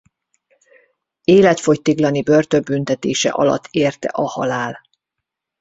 Életfogytiglani börtönbüntetése alatt érte a halál.